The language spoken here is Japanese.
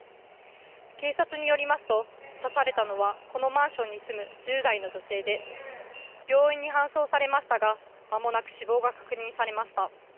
警察によりますと刺されたのはこのマンションに住む１０代の女性で病院に搬送されましたがまもなく死亡が確認されました。